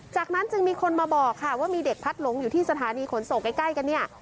จากนั้นจึงมีคนมาบอกค่ะว่ามีเด็กพัดหลงอยู่ที่สถานีขนส่งใกล้กันเนี่ย